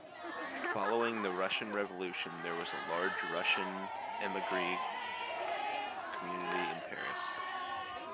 Following the Russian Revolution there was a large Russian emigre community in Paris.